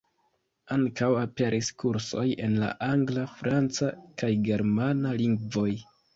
Ankaŭ aperis kursoj en la angla, franca kaj germana lingvoj.